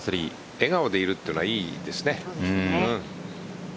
笑顔でいるというのはいいですね。